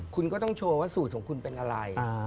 คุณก็ต้องโชว์ว่าสูตรของคุณเป็นอะไร